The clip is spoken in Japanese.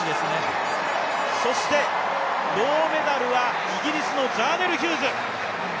そして銅メダルはイギリスのザーネル・ヒューズ。